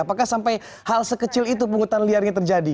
apakah sampai hal sekecil itu pungutan liarnya terjadi